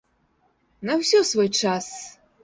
На ўсё свой час!